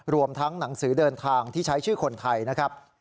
รวมทั้งหนังสือเดินทางที่ใช้ชื่อคนไทยนะครับ